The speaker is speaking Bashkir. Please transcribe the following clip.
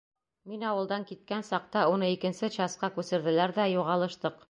Мин ауылдан киткән саҡта уны икенсе часҡа күсерҙеләр ҙә, юғалыштыҡ.